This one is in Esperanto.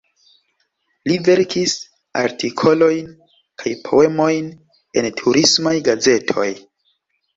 Li verkis artikolojn kaj poemojn en turismaj gazetoj.